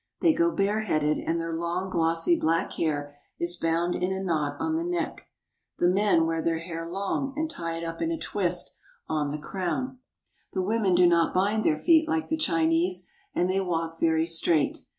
They go bareheaded, and their long, glossy black hair is bound in a knot on the neck. The men wear the hair long and tie it up in a twist on the crown. The women do not bind their feet like the Chinese, and they walk very straight.